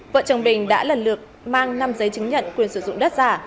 vợ chồng bình đã lần lượt mang năm giấy chứng nhận quyền sử dụng đất giả